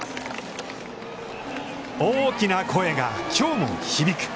大きな声がきょうも響く。